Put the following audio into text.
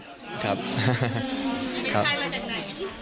จะเป็นใครมาจากไหน